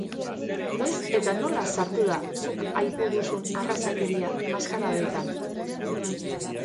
Noiz eta nola sartu da zuk aipu duzun arrazakeria, maskaradetan?